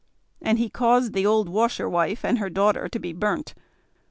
And he caused the old washerwife and her daughter to be burnt.